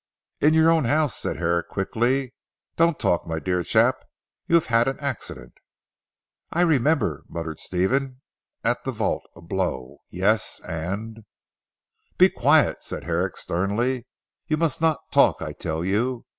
"In your own house," said Herrick quickly, "don't talk my dear chap; you have had an accident." "I remember," muttered Stephen, "at the vault, a blow, yes, and " "Be quiet," said Herrick sternly, "you must not talk I tell you!"